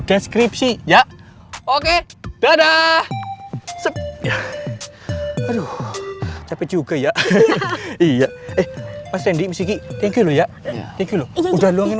deskripsi ya oke dadah aduh capek juga ya iya eh mas rendy miss kiki thank you loh ya udah luangin